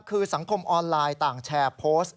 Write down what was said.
คือสังคมออนไลน์ต่างแชร์โพสต์